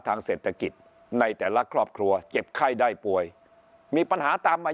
ทางเศรษฐกิจในแต่ละครอบครัวเจ็บไข้ได้ป่วยมีปัญหาตามมา